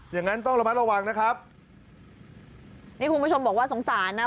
อย่างนั้นต้องระมัดระวังนะครับนี่คุณผู้ชมบอกว่าสงสารนะ